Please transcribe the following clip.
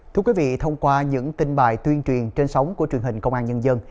thưa quý vị thông qua những tin bài tuyên truyền trên sóng của truyền hình công an nhân dân